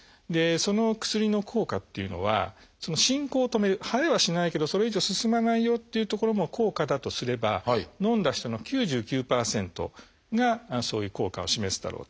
その薬の効果っていうのは進行を止める生えはしないけどそれ以上進まないよというところの効果だとすればのんだ人の９９％がそういう効果を示すだろうと。